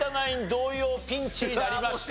同様ピンチになりました。